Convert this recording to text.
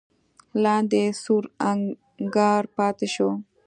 لاندې سور انګار پاتې شو.